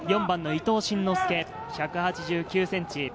４番の伊東進之輔、１８９ｃｍ。